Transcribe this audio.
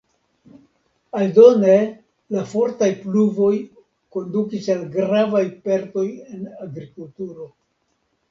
Aldone, la fortaj pluvoj kondukis al gravaj perdoj en agrikulturo.